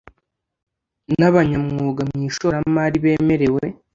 n abanyamwuga mu ishoramari bemerewe